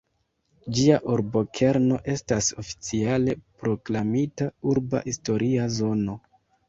Ĝia urbokerno estas oficiale proklamita "Urba historia zono".